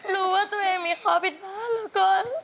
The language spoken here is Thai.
รู้ว่าตัวเองมีข้อผิดบ้านแล้วก็